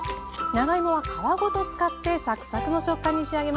長芋は皮ごと使ってサクサクの食感に仕上げます。